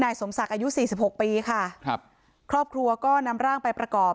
สมศักดิ์อายุสี่สิบหกปีค่ะครับครอบครัวก็นำร่างไปประกอบ